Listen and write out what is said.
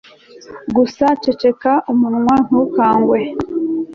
gusa ucecekeshe umunwa, ntukangwe